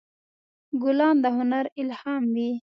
ګلان د هنر الهام وي.